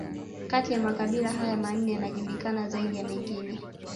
Kati ya makabila haya manne yanajulikana zaidi ya mengine